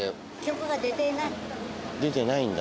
出てないんだ。